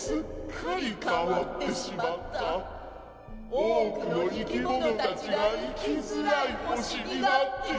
多くのいきものたちが生きづらい星になってしまった。